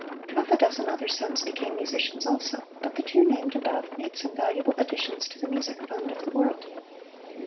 Half a dozen other sons became musicians also, but the two named above made some valuable additions to the music fund of the world.